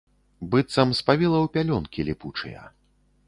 Быццам спавіла ў пялёнкі ліпучыя.